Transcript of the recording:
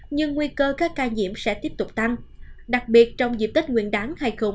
nhưng nguy cơ các ca nhiễm sẽ tiếp tục tăng đặc biệt trong dịp tết nguyên đáng hai nghìn hai mươi bốn